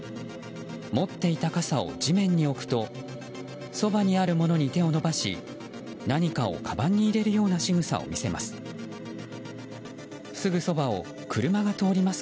持っていた傘を地面に置くとそばにあるものに手を伸ばし何かをかばんに入れるようなしぐさを見せます。